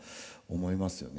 思いますよね。